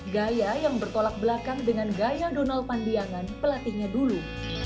gaya yang bertolak belakang dengan gaya donald pandiangan pelatihnya dulu